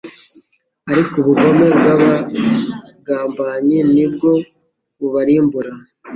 ariko ubugome bw’abagambanyi ni bwo bubarimbura